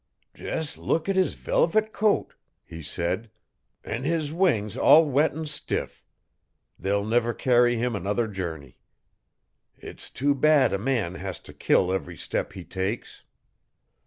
'Jes' look at his velvet coat,' he said, 'an' his wings all wet n' stiff. They'll never carry him another journey. It's too bad a man has t' kill every step he takes.'